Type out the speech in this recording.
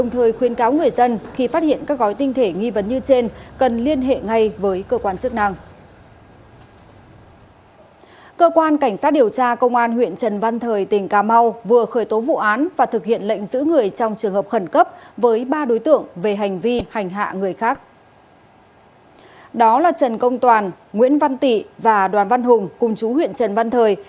trần công toàn nguyễn văn tị và đoàn văn hùng cùng chú huyện trần văn thời